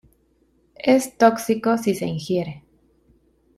Es tóxico si se ingiere.